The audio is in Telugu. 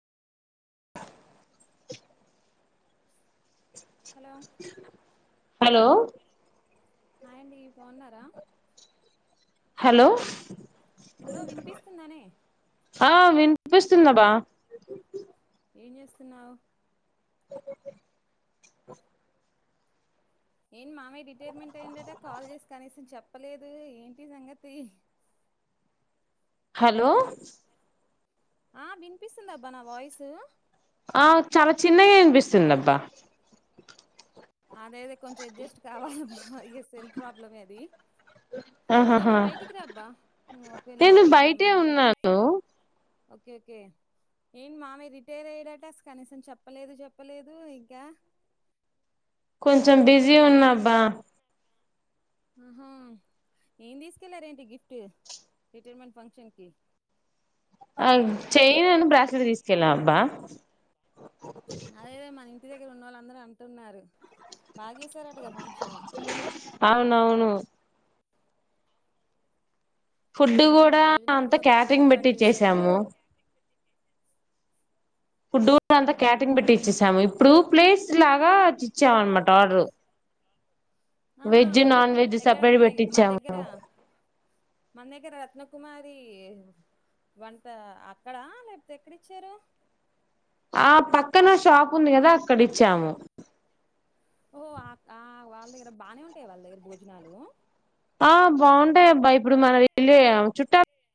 హలో హలో హాయ్ అండి బాగున్నారా హలో హలో వినిపిస్తుందానే వినిపిస్తుంది బా ఏం చేస్తున్నావు ఓకే ఏం మామ్య రిటైర్మెంట్ అయిందట కాల్ చేసి కనీసం చెప్పలేదు ఏంటి సంగతి నో సౌండ్ హలో ఆ వినిపిస్తుంది అబ్బా నా వాయిసు ఆ చాలా చిన్నగా అనిపిస్తుందిబ్బా అద అతే కొంచెం అడ్జస్ట్ కావాలి ఎ సెల్ఫ్ ప్రాబ్లం ఏది ఆహాహా ఒకవేళ నేను ఇంట్లో గిట్లా బయటే ఏమైనా ఉంటే ఉన్నాను ఓకే ఏంటి మామ రిటైర్ అయ్యడట కనీసం చెప్పలేదు చెప్పలేదు ఇంకా నో సౌండ్ కొంచెం బిజీ ఉన్నాబ్బా ఆహా ఏం తీసుకెళ్లార ఏంటి గిఫ్ట్ రిటైర్మెంట్ ఫంక్షన్ కి చైను బ్రాస్లెట్ తీసుకెళ్ళ అబ్బా అదే మన ఇంటి దగ్గర ఉన్నోళ్లు అందరూ అంటున్నారు బాగా చేశారట గాద ఫంక్షను అవునవును ఫుడ్ ఉహుం, కూడా భోజనాలు అంతా కూడా బాగా క్యాటరింగ్ ఏర్పాటు చేశారు పెట్టిచ్చసాము ఫుడ్ కూడా అంతా అవునా క్యాటరింగ్ పెట్టి ఇచ్చేసాము ఇప్పుడు ప్లేస్ లాగ ఇచ్చాం అనమాట ఆర్డరు ఆహా ఎక్కడ మీ దగ మన దగ్గర పెట్టిచ్చాము మన దగ్గర రత్నకుమారి వంట అక్కడా లేకపోతే ఎక్కడిచ్చారు ఆ పక్కన షాప్ ఉంది కదా అక్కడ ఇచ్చాము ఓ ఆ ఆ వాళ్ళ దగ్గర బానే ఉంటాయి వాళ్ళ దగ్గర భోజనాలు ఆ బాగుంటాయి అబ్బా ఇప్పుడు మనం వెళ్ళ చుట్టా